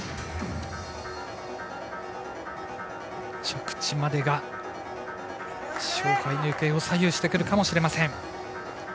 着地までが勝敗の行方を左右してくるかもしれません。